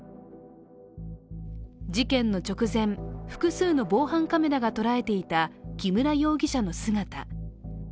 事件の直前、複数の防犯カメラが捉えていた木村容疑者の姿。